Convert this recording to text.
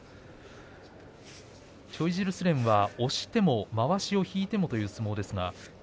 チョイジルスレンは押しても、まわしを引いてもという相撲です。